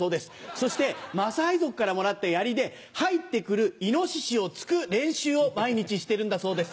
そしてマサイ族からもらったヤリで入って来るイノシシを突く練習を毎日してるんだそうです。